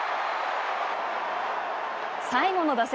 最後の打席。